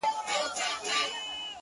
دا سدی پرېږده دا سړی له سړيتوبه وځي’